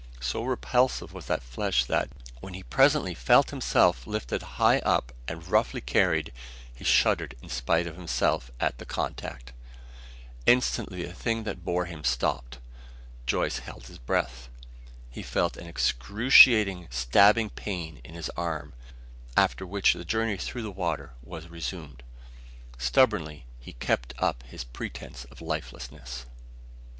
So repulsive was that flesh that, when he presently felt himself lifted high up and roughly carried, he shuddered in spite of himself at the contact. Instantly the thing that bore him stopped. Joyce held his breath. He felt an excruciating, stabbing pain in his arm, after which the journey through the water was resumed. Stubbornly he kept up his pretence of lifelessness.